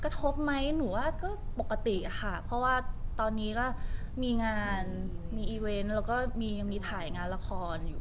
กระทบไหมหนูว่าก็ปกติค่ะเพราะว่าตอนนี้ก็มีงานมีอีเวนต์แล้วก็มียังมีถ่ายงานละครอยู่